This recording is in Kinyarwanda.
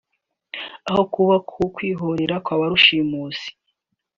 aho kuba kwihorera kwa ba rushimusi